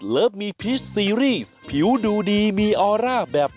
เดี๋ยวกลับมากัน